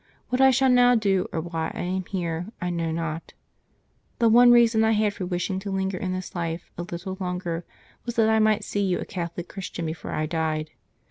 What I shall now do or why I am here, I know not. The one reason I had for wishing to linger in this life a little longer was that I might see you a Catholic Christian before I died.